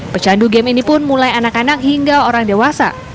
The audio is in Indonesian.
pecandu game ini pun mulai anak anak hingga orang dewasa